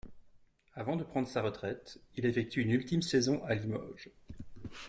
Avant de prendre sa retraite, il effectue une ultime saison à Limoges.